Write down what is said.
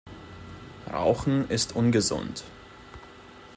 Rauchen ist ungesund.